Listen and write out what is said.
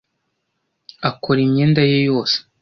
Akora imyenda ye yose.